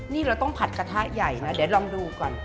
นี่เราต้องผัดกระทะใหญ่นะเดี๋ยวลองดูก่อน